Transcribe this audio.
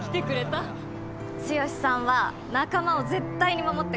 剛さんは仲間を絶対に守ってくれる